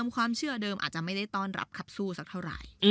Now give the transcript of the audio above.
ความเชื่อเดิมอาจจะไม่ได้ต้อนรับขับสู้สักเท่าไหร่